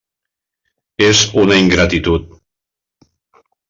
És una ingratitud.